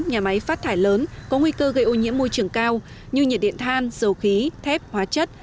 nhà máy phát thải lớn có nguy cơ gây ô nhiễm môi trường cao như nhiệt điện than dầu khí thép hóa chất